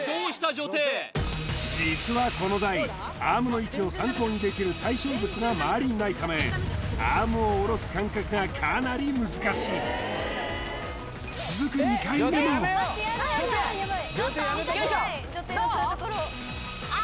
女帝実はこの台アームの位置を参考にできる対象物が周りにないためアームを下ろす感覚がかなり難しいよいしょどう？